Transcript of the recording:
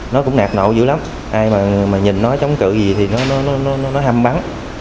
nó cũng nạt nậu dữ lắm ai mà nhìn nó chống cự gì thì nó hâm bắn